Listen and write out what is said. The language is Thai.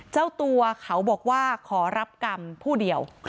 เจ้าตัวเขาบอกว่าขอรับกรรมผู้เดียว